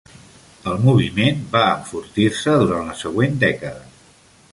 El moviment va enfortir-se durant la següent dècada.